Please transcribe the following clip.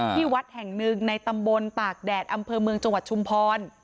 ที่วัดแห่งหนึ่งในตำบลตากแดดอำเภอเมืองจังหวัดชุมพร